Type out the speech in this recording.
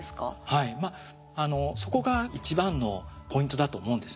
はいそこが一番のポイントだと思うんですね。